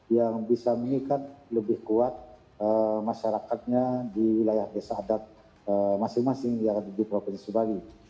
yang bisa mengikat lebih kuat masyarakatnya di wilayah desa adat masing masing yang ada di provinsi bali